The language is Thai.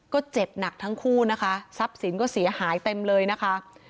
ก็เจ็บหนักทั้งคู่นะคะทรัพย์สินก็เสียหายเต็มเลยนะคะ